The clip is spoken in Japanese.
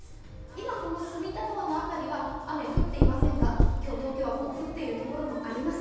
今この隅田川の辺りは雨降っていませんが今日、東京はもう降っているところがあります。